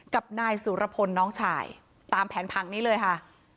กับนายสุรพลน้องชายตามแผนพังนี้เลยค่ะ